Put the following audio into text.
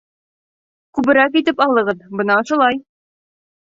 Күберәк итеп алығыҙ, бына ошолай.